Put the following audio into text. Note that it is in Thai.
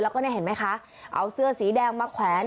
แล้วก็เนี่ยเห็นไหมคะเอาเสื้อสีแดงมาแขวน